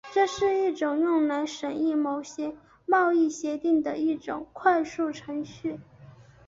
这是一种用来审议某些贸易协定的一种快速程序。